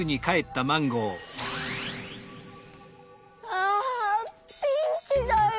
ああピンチだよ